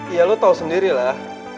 iya lo tau sendirilah